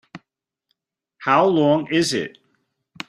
How long is it?